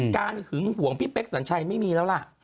หึงห่วงพี่เป๊กสัญชัยไม่มีแล้วล่ะ